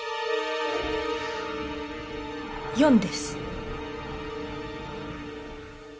４です。